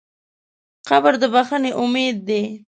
قبر د بښنې امید دی.